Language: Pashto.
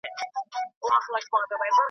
په لقمان اعتبار نسته په درمان اعتبار نسته .